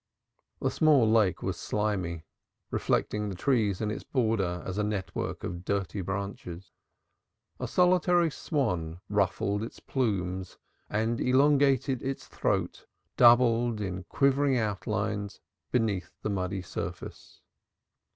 The small lake was slimy, reflecting the trees on its borders as a network of dirty branches. A solitary swan ruffled its plumes and elongated its throat, doubled in quivering outlines beneath the muddy surface.